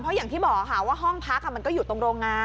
เพราะอย่างที่บอกค่ะว่าห้องพักมันก็อยู่ตรงโรงงาน